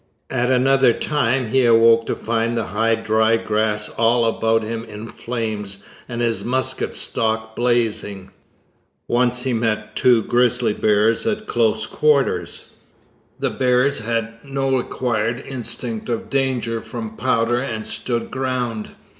At another time he awoke to find the high dry grass all about him in flames and his musket stock blazing. Once he met two grizzly bears at close quarters. The bears had no acquired instinct of danger from powder and stood ground.